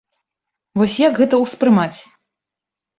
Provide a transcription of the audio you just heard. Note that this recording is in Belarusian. Вось як гэта ўспрымаць?